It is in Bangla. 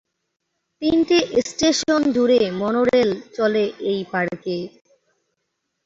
তিনটে স্টেশন জুড়ে মনোরেল চলে এই পার্কে।